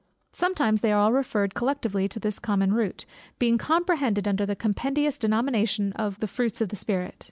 Sometimes they are all referred collectively to this common root, being comprehended under the compendious denomination of "the Fruits of the Spirit."